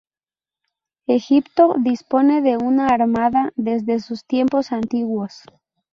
Egipto dispone de una armada desde sus tiempos antiguos.